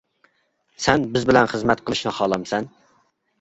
-سەن بىز بىلەن خىزمەت قىلىشنى خالامسەن؟